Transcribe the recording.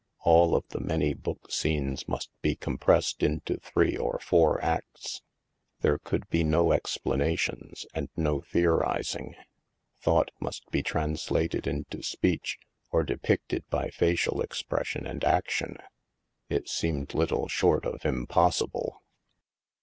All of the many book scenes must be compressed into three or four acts. There could be no explanations and no theorizing. Thought must be translated into speech, or depicted by facial expression and action. It seemed little short of impossible.